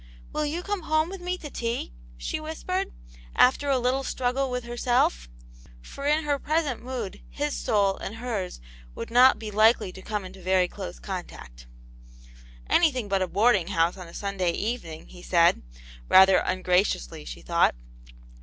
" Will you come home with me to tea ?'* she whispered, after a little struggle with herself ; for in her present mood his soul and hers would not be likely to come into very close contact. "Anything but a boarding house on a Sunday evening," he said, rather ungraciously, she thought.